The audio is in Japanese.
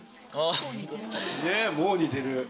ねぇもう似てる。